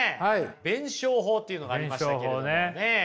弁証法っていうのがありましたけれどもね。